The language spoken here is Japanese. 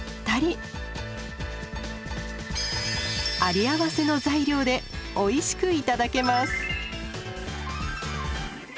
有り合わせの材料でおいしく頂けます。